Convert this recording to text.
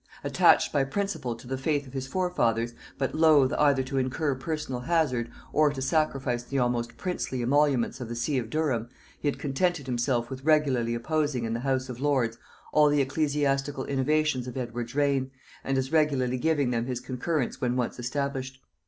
Attached by principle to the faith of his forefathers, but loth either to incur personal hazard, or to sacrifice the almost princely emoluments of the see of Durham, he had contented himself with regularly opposing in the house of lords all the ecclesiastical innovations of Edward's reign, and as regularly giving them his concurrence when once established.